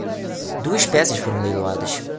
Duas peças foram leiloadas